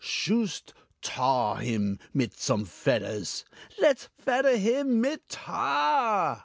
Shoost tar him mit some fedders! Led's fedder him mit tar!"